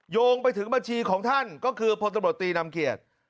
โยงไปถึงบัญชีของท่านก็คือพลตำรวจตีนำเกียรติ